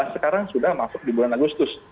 sekarang sudah masuk di bulan agustus